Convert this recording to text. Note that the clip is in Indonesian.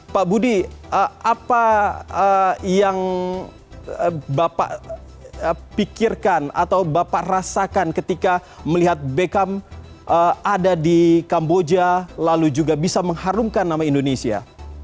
pak budi apa yang bapak pikirkan atau bapak rasakan ketika melihat beckham ada di kamboja lalu juga bisa mengharumkan nama indonesia